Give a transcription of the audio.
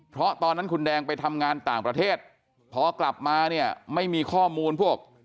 เพราะตอนนั้นคุณแดงไปทำงานต่างประเทศพอกลับมาเนี่ยไม่มีข้อมูลพวก